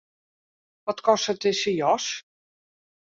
Wat kostet dizze jas?